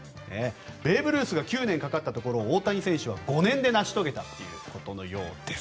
ベーブ・ルースが９年かかったところを大谷選手は５年で成し遂げたということのようです。